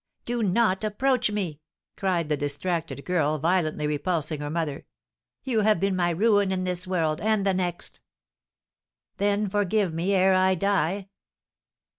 "Do not approach me!" cried the distracted girl, violently repulsing her mother; "you have been my ruin in this world and the next!" "Then forgive me, ere I die!"